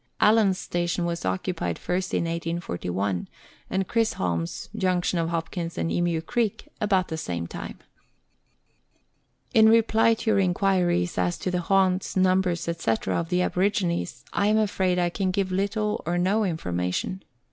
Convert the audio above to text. Allan's station was occupied first in 1841, and Chisholm's (junction of Hopkins and Emu Creek) about the same time. In reply to your inquiries as to the haunts, numbers, &c., of the aborigines, I am afraid I can give little or no information.